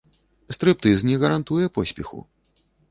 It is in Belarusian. Стрыптыз не гарантуе поспеху.